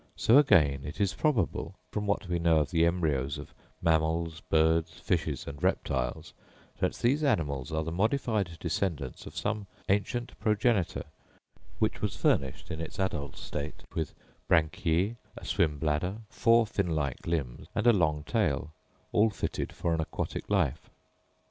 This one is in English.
So again, it is probable, from what we know of the embryos of mammals, birds, fishes and reptiles, that these animals are the modified descendants of some ancient progenitor, which was furnished in its adult state with branchiæ, a swim bladder, four fin like limbs, and a long tail, all fitted for an aquatic life.